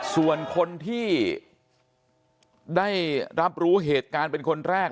ส่วนคนที่ได้รับรู้เหตุการณ์เป็นคนแรก